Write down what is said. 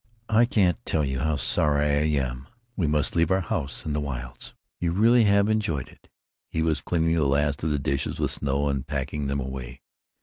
"I can't tell you how sorry I am we must leave our house in the wilds." "You really have enjoyed it?" He was cleaning the last of the dishes with snow, and packing them away.